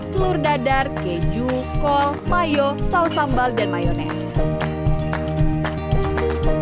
telur dadar keju kol mayo saus sambal dan mayonis